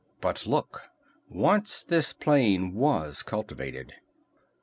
But look: once this plain was cultivated."